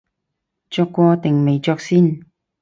着過定未着先